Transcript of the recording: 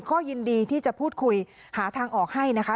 ก็ยินดีที่จะพูดคุยหาทางออกให้นะคะ